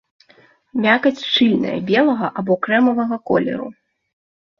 Мякаць шчыльная, белага або крэмавага колеру.